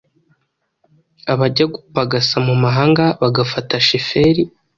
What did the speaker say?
Abajya gupagasa mu mahanga bagata sheferi